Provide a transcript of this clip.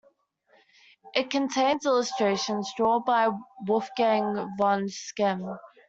It contains illustrations drawn by Wolfgang vom Schemm.